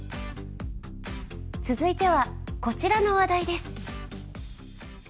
続いてはこちらの話題です。